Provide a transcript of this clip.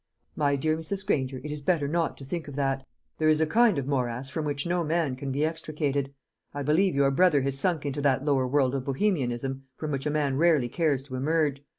"My dear Mrs. Granger, it is better not to think of that. There is a kind of morass from which no man can be extricated. I believe your brother has sunk into that lower world of Bohemianism from which a man rarely cares to emerge.